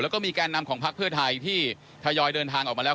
แล้วก็มีการนำของพักเพื่อไทยที่ทยอยเดินทางออกมาแล้ว